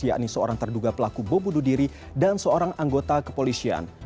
yakni seorang terduga pelaku bom bunuh diri dan seorang anggota kepolisian